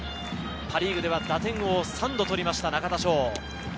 パ・リーグでは打点王を３度取りました、中田翔。